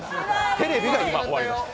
テレビが今、終わりました。